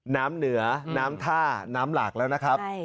น้ำเหนือน้ำท่าน้ำหลากแล้วนะครับ